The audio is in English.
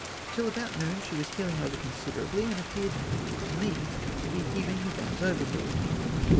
Till about noon she was heeling, over considerably, and appeared to me to be heaving her guns overboard.